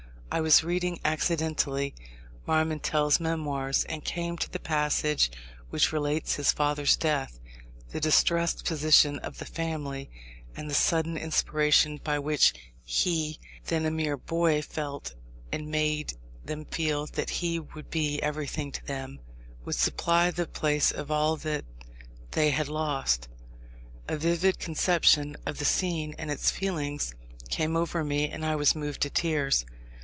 I was reading, accidentally, Marmontel's Mémoires, and came to the passage which relates his father's death, the distressed position of the family, and the sudden inspiration by which he, then a mere boy, felt and made them feel that he would be everything to them would supply the place of all that they had lost. A vivid conception of the scene and its feelings came over me, and I was moved to tears.